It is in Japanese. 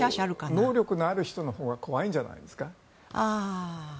能力のある人のほうが怖いんじゃないですか。